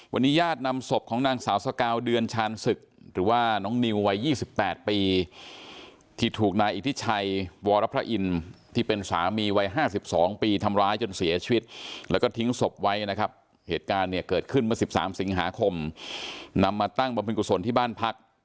เหตุการณ์เนี่ยเกิดขึ้นเมื่อสิบสามสิงหาคมนำมาตั้งบรรพิกุศลที่บ้านพัก